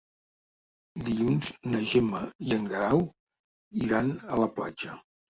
Dilluns na Gemma i en Guerau iran a la platja.